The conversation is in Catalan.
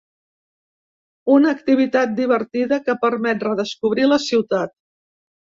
Una activitat divertida que permet redescobrir la ciutat.